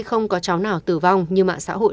không có cháu nào tử vong như mạng xã hội